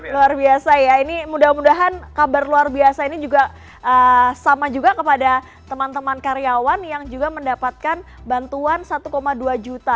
luar biasa ya ini mudah mudahan kabar luar biasa ini juga sama juga kepada teman teman karyawan yang juga mendapatkan bantuan satu dua juta